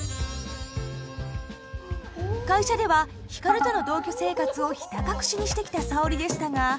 会社では光との同居生活をひた隠しにしてきた沙織でしたが。